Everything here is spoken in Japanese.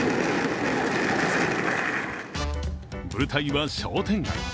舞台は商店街。